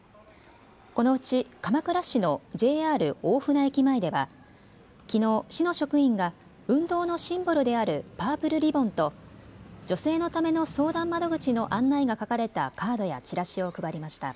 このうち鎌倉市のＪＲ大船駅前ではきのう、市の職員が運動のシンボルであるパープルリボンと女性のための相談窓口の案内が書かれたカードやチラシを配りました。